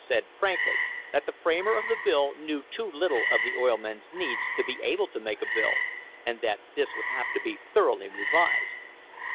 said frankly that the framer of the bill knew too little of the oil men's needs to be able to make a bill, and that this would have to be thoroughly revised.